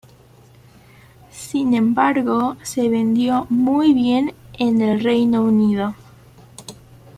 Sin embargo, se vendió muy bien en el Reino Unido.